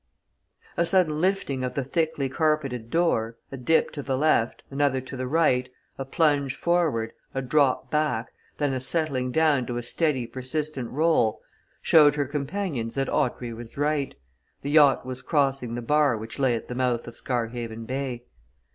A sudden lifting of the thickly carpeted floor, a dip to the left, another to the right, a plunge forward, a drop back, then a settling down to a steady persistent roll, showed her companions that Audrey was right the yacht was crossing the bar which lay at the mouth of Scarhaven Bay.